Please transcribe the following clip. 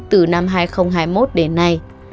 từ năm hai nghìn hai mươi một đến nay